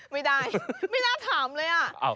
ไม่ได้ไม่น่าถามเลย